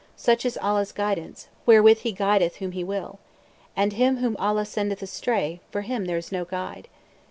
Such is Allah's guidance, wherewith He guideth whom He will. And him whom Allah sendeth astray, for him there is no guide.